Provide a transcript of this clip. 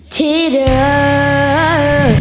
ที่เดิม